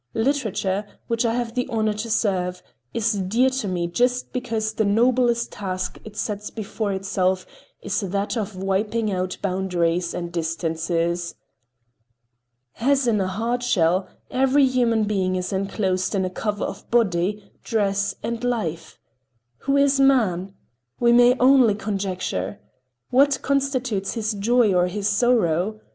Literature, which I have the honor to serve, is dear to me just because the noblest task it sets before itself is that of wiping out boundaries and distances. As in a hard shell, every human being is enclosed in a cover of body, dress, and life. Who is man? We may only conjecture. What constitutes his joy or his sorrow?